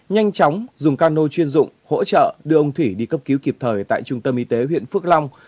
nhanh chóng dùng cano chuyên dụng hỗ trợ đưa ông thủy đi cấp cứu kịp thời tại trung tâm y tế huyện phước long